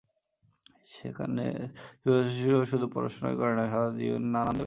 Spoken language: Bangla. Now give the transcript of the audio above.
যেখানে সুবিধাবঞ্চিত শিশুরা শুধু পড়াশোনাই করে না, জীবনের নানা আনন্দে মেতে থাকে।